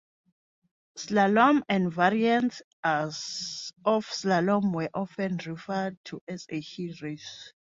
Slalom and variants of slalom were often referred to as hill races.